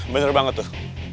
bener banget tuh